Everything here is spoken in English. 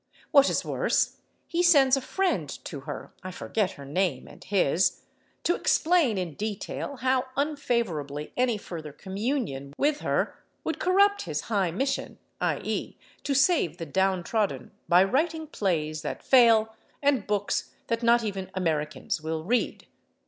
What is worse, he sends a friend to her (I forget her name, and his) to explain in detail how unfavorably any further communion with her would corrupt his high mission, i. e., to save the downtrodden by writing plays that fail and books that not even Americans will read.